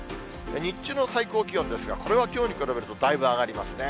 日中の最高気温ですが、これはきょうに比べるとだいぶ上がりますね。